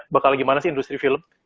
bakal gimana sih industri film